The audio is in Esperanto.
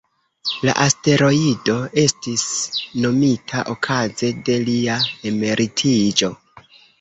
La asteroido estis nomita okaze de lia emeritiĝo.